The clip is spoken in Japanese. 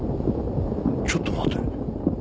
ちょっと待て。